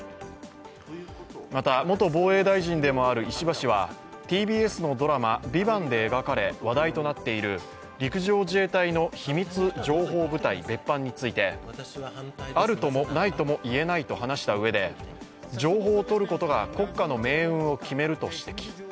また、元防衛大臣でもある石破氏はＴＢＳのドラマ「ＶＩＶＡＮＴ」で描かれ話題となっている陸上自衛隊の秘密情報部隊・別班についてあるともないとも言えないと話したうえで情報を取ることが国家の命運を決めると指摘。